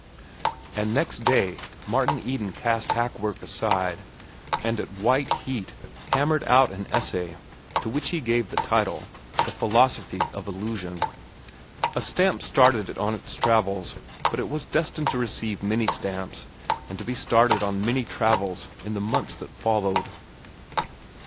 And next day Martin Eden cast hack work aside, and at white heat hammered out an essay to which he gave the title, "The Philosophy of Illusion." A stamp started it on its travels, but it was destined to receive many stamps and to be started on many travels in the months that followed.